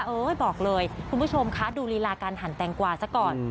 บอกเลยคุณผู้ชมคะดูลีลาการหั่นแตงกวาซะก่อน